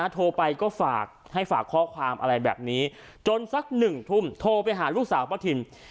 โทรไปก็ฝากให้ฝากข้อความอะไรแบบนี้จนสัก๑ทุ่มโทรไปหาลูกสาวป้าทิน